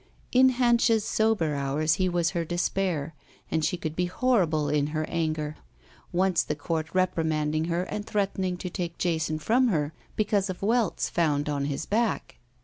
In Hanscha's sober hours he was her despair, and she could be horrible in her anger, once the court reprimanding her and threatening to take Jason from her because of welts found on his back.